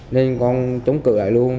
nên con trúng cửa lại luôn